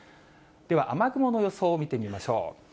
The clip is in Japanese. では、雨雲の予想を見てみましょう。